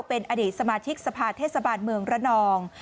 เป็นอดีตสมาชิกสภาเทศบาลเมืองระนอง